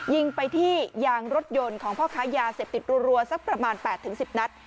ยิงไปที่ยางรถยนต์ของพ่อค้ายาเสพติดรัวสักประมาณ๘๑๐นัด